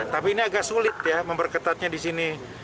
tapi ini agak sulit ya memperketatnya di sini